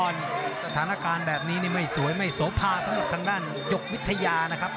สถานการณ์แบบนี้นี่ไม่สวยไม่โสภาสำหรับทางด้านยกวิทยานะครับ